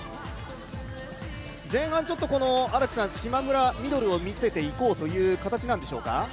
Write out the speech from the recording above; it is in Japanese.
前半、島村、ミドルを見せていこうという形なんでしょうか？